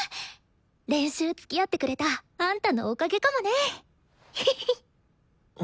練習つきあってくれたあんたのおかげかもね！